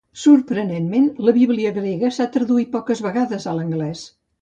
Sorprenentment, la Bíblia grega s'ha traduït poques vegades a l'anglès.